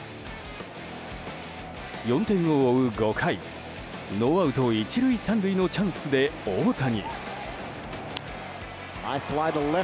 ４点を追う５回ノーアウト１塁３塁のチャンスで大谷。